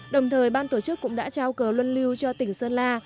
đồng thời ban tổ chức cũng đã trao cờ luân lưu cho tỉnh sơn la